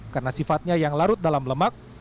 karena sifatnya yang larut dalam lemak